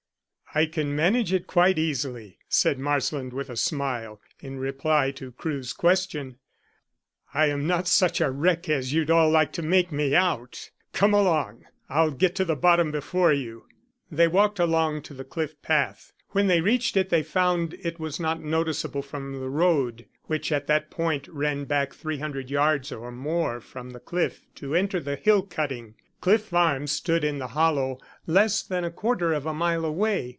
"I can manage it quite easily," said Marsland with a smile, in reply to Crewe's question. "I am not such a wreck as you'd all like to make me out. Come along! I'll get to the bottom before you." They walked along to the cliff path. When they reached it they found it was not noticeable from the road, which at that point ran back three hundred yards or more from the cliff to enter the hill cutting. Cliff Farm stood in the hollow less than a quarter of a mile away.